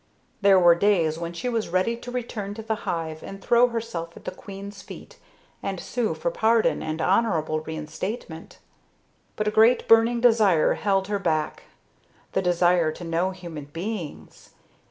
There were days when she was ready to return to the hive and throw herself at the queen's feet and sue for pardon and honorable reinstatement. But a great, burning desire held her back the desire to know human beings.